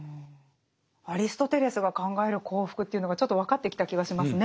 アリストテレスが考える幸福というのがちょっと分かってきた気がしますね。